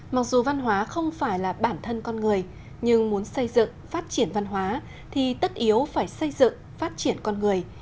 mặc dù văn hóa không phải là bản thân con người nhưng muốn xây dựng phát triển văn hóa thì tất yếu phải xây dựng phát triển con người